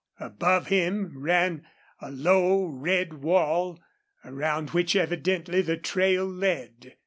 Above him ran a low, red wall, around which evidently the trail led.